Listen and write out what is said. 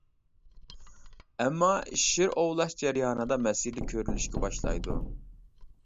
ئەمما شىر ئوۋلاش جەريانىدا مەسىلە كۆرۈلۈشكە باشلايدۇ.